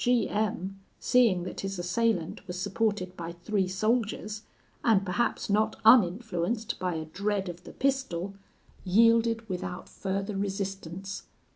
G M , seeing that his assailant was supported by three soldiers, and perhaps not uninfluenced by a dread of the pistol, yielded without further resistance.